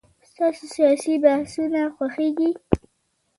ستاسو سياسي بحثونه خوښيږي.